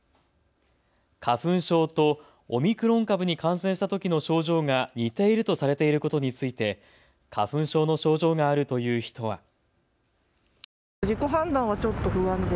花粉症とオミクロン株に感染したときの症状が似ているとされていることについて花粉症の症状があるという人は。